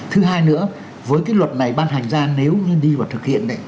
thứ hai nữa với cái luật này ban hành ra nếu như đi và thực hiện